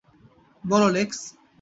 বলো, লেক্স।